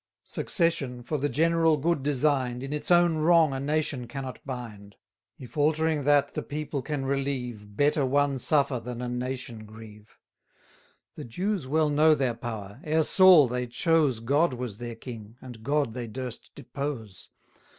Succession, for the general good design'd, In its own wrong a nation cannot bind: If altering that the people can relieve, Better one suffer than a nation grieve. The Jews well know their power: ere Saul they chose, God was their king, and God they durst depose.